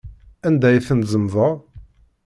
Anda ay ten-tzemḍeḍ?